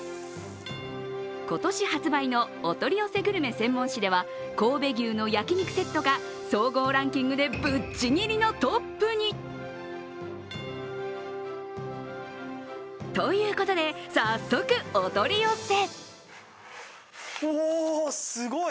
今年発売のお取り寄せグルメ専門誌では神戸牛の焼き肉セットが総合ランキングでぶっちぎりのトップに。ということで、早速、お取り寄せ。